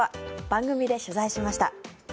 番組で取材しました。